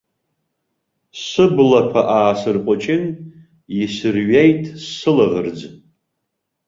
Сыблақәа аасырҟәыҷын, исырҩеит сылаӷырӡ.